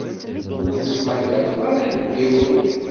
Ur tettmagareḍ ara inebgiwen.